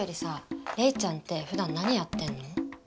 レイちゃんってふだん何やってんの？